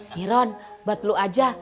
miron buat lo aja